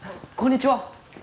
こんにちは。